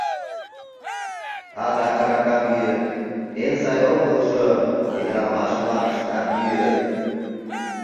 Адак аракам йӱыт, эн сай огылжо — ӱдырамаш-влакыштат йӱыт.